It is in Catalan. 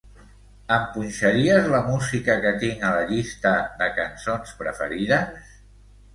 Em punxaries la música que tinc a la llista de cançons preferides?